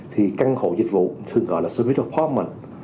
thì căn hộ dịch vụ thường gọi là service department